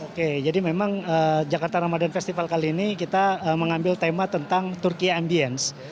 oke jadi memang jakarta ramadan festival kali ini kita mengambil tema tentang turki ambience